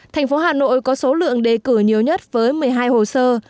thành phố hà nội có số lượng đề cử nhiều nhất với một mươi hai hồ sơ